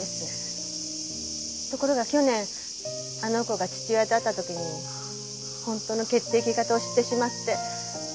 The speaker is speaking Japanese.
ところが去年あの子が父親と会った時に本当の血液型を知ってしまって。